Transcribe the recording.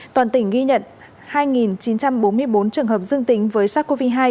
toàn tỉnh ghi nhận hai chín trăm bốn mươi bốn trường hợp dương tính với sars cov hai